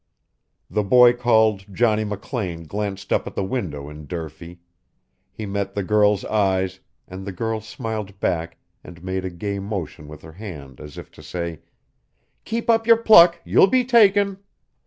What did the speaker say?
The boy called Johnny McLean glanced up at the window in Durfee; he met the girl's eyes, and the girl smiled back and made a gay motion with her hand as if to say, "Keep up your pluck; you'll be taken."